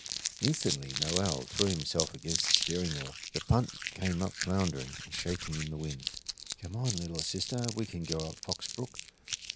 Instantly Noel threw himself against the steering oar; the punt came up floundering and shaking in the wind. "Come on, little sister; we can go up Fox Brook.